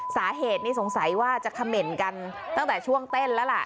สาเหตุนี่สงสัยว่าจะเขม่นกันตั้งแต่ช่วงเต้นแล้วล่ะ